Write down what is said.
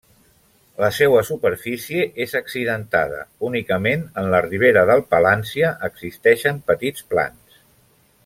La seua superfície és accidentada; únicament en la ribera del Palància existeixen petits plans.